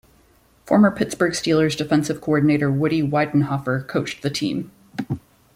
Former Pittsburgh Steelers defensive coordinator Woody Widenhofer coached the team.